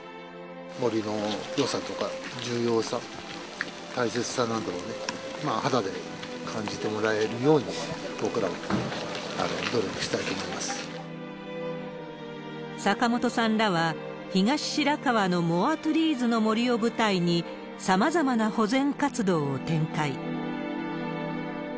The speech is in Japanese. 森のよさとか重要さ、大切さなんかをね、肌で感じてもらえるように、僕らも努力したい坂本さんらは、東白川のモア・トゥリーズの森を舞台に、さまざまな保全活動を展開。